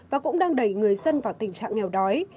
và cũng đang đẩy người dân vào tình trạng nghèo đói